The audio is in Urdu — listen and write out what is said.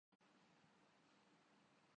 ہت سے مزدور ہلاک اور زخمی کر دے